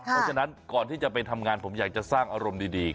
เพราะฉะนั้นก่อนที่จะไปทำงานผมอยากจะสร้างอารมณ์ดี